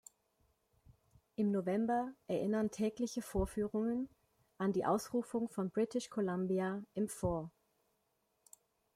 Im November erinnern tägliche Vorführungen an die Ausrufung von British Columbia im Fort.